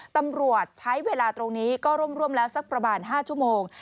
ตำรวจใช้เวลาตรงนี้ก็ร่วมแล้วสักประมาณ๕ชั่วโมง